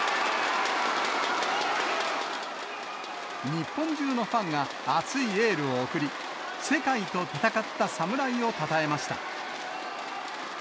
日本中のファンが熱いエールを送り、世界と戦った侍をたたえました。